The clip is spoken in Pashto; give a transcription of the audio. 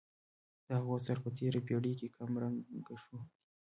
د هغو اثر په تېره پېړۍ کې کم رنګه شوی.